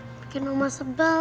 bikin mama sebel